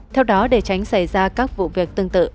theo đó để tránh xảy ra các vụ việc tương tự